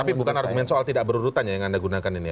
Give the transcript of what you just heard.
tapi bukan argumen soal tidak berurutannya yang anda gunakan ini